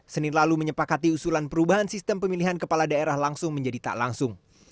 senin lalu menyepakati usulan perubahan sistem pemilihan kepala daerah langsung menjadi tak langsung